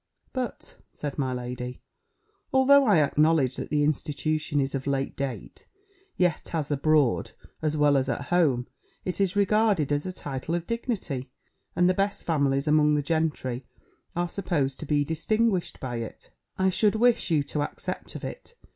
"But," said my lady, "although I acknowledge that the institution is of late date, yet, as abroad, as well as at home, it is regarded as a title of dignity, and the best families among the gentry are supposed to be distinguished by it, I should wish you to accept of it.